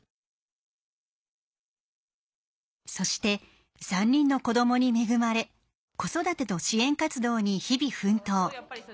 そして３人の子どもに恵まれ子育てと支援活動に日々奮闘。